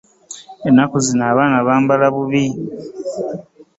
Ennaku zino abaana bambala bubi.